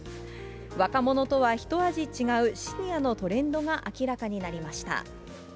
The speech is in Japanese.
若者とは一味違う、シニアのトレンドが明らかになりました。